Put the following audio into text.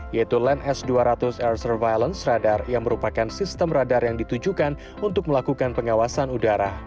yaitu land s dua ratus air surveillance radar yang merupakan sistem radar yang ditujukan untuk melakukan pengawasan udara